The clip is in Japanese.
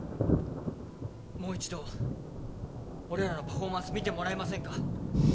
もう一度、俺らのパフォーマンス見てもらえませんか？